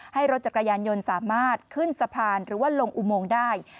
ให้รถจักรยานยนต์สามารถขึ้นสะพานหรือว่าลงอุโมงได้